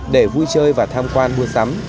để vui chơi và tham quan buôn sắm